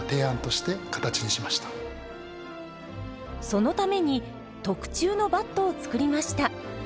そのために特注のバットを作りました。